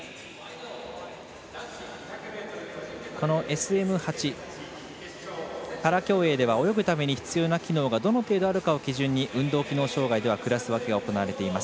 ＳＭ８、パラ競泳では泳ぐために必要な機能がどの程度あるかを基準に運動機能障がいではクラス分けが行われています。